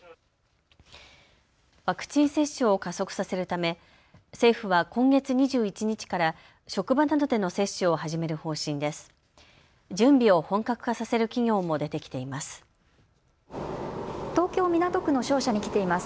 ワクチン接種を加速させるため政府は今月２１日から職場などでの接種を始める方針です。